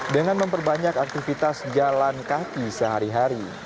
dengan memperbanyak aktivitas jalan kaki sehari hari